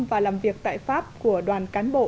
và làm việc tại pháp của đoàn cán bộ